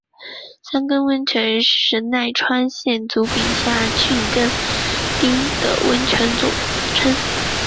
箱根温泉是神奈川县足柄下郡箱根町的温泉之总称。